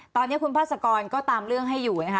ตอนนี้คุณพาสกรก็ตามเรื่องให้อยู่นะคะ